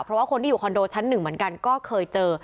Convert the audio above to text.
เพราะว่าคนที่อยู่คอนโดชั้นหนึ่งเหมือนกันก็เคยเจอ